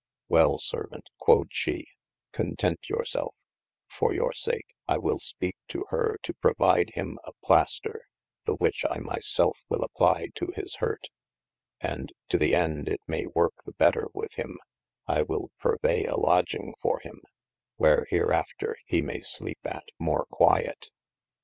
Well servaunt (quod she) content your selfe, for your sake, I will speake to hyr to provyde hym a playster, the which I my selfe will applye to hys hurt : And to the ende it maye worke the better wyth hym, I will purvay a lodging for hym, wher hereafter he maye sleepe at more quiet.